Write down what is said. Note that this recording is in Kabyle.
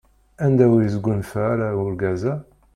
Anda ur isgunfa ara urgaz-a?